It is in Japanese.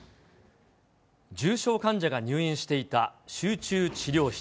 重症患者が入院していた集中治療室。